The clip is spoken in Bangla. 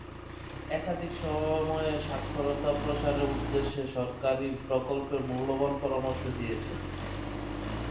একাধিক সময়ে স্বাক্ষরতা প্রসারের উদ্দেশে সরকারি প্রকল্পে মূল্যবান পরামর্শ দিয়েছেন।